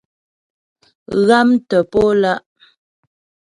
Ghámtə̀ po lá'.